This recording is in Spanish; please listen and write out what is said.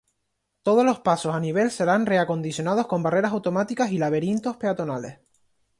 Todos los pasos a nivel serán reacondicionados con barreras automáticas y "laberintos" peatonales.